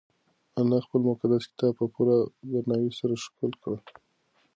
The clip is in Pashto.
انا خپل مقدس کتاب په پوره درناوي سره ښکل کړ.